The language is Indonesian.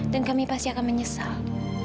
dan kami pasti akan menyesal